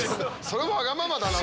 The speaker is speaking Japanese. それわがままだな！